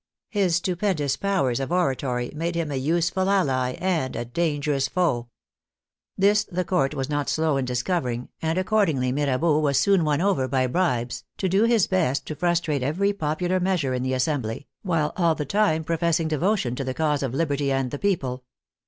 His stupendous powers of oratory made him a useful ally and a dangerous foe. This the Court was not slow in discovering, and accordingly Mirabeau was soon won over by bribes to do his best to frustrate every popular measure in the Assembly, while all the time professing devotion to the cause of liberty and the people.